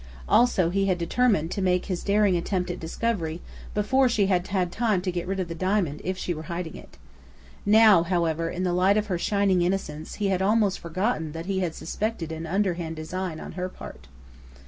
Also he had determined to make his daring attempt at discovery before she had time to get rid of the diamond if she were hiding it. Now, however, in the light of her shining innocence, he had almost forgotten that he had suspected an underhand design on her part.